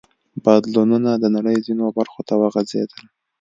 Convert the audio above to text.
بدلونونه د نړۍ ځینو برخو ته وغځېدل.